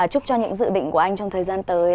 chúc cho những dự định của anh trong thời gian tới